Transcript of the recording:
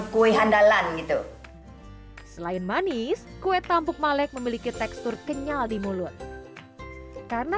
kue handalan gitu selain manis kue tampuk malek memiliki tekstur kenyal di mulut karena